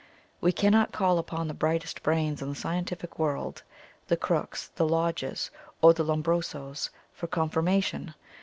We cannot call upon the brightest brains in the scientific world, the Crookes, the Lodges, or the Lombrosos, for confirmation.